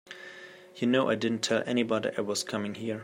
You know I didn't tell anybody I was coming here.